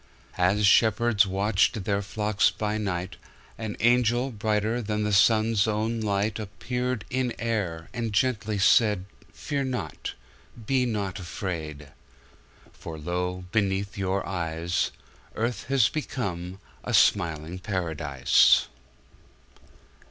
As shepherds watched their flocks by night, An angel, brighter than the sun's own light, Appeared in air, And gently said, Fear not, be not afraid, For lo! beneath your eyes, Earth has become a smiling paradise.